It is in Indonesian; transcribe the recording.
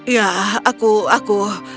ya aku aku